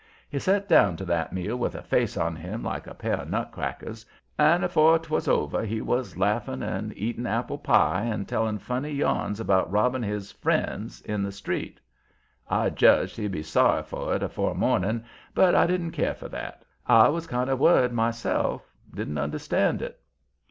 He set down to that meal with a face on him like a pair of nutcrackers, and afore 'twas over he was laughing and eating apple pie and telling funny yarns about robbing his "friends" in the Street. I judged he'd be sorry for it afore morning, but I didn't care for that. I was kind of worried myself; didn't understand it.